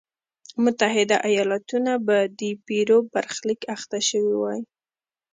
متحده ایالتونه به د پیرو برخلیک اخته شوی وای.